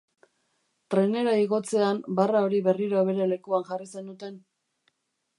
Trenera igotzean barra hori berriro bere lekuan jarri zenuten?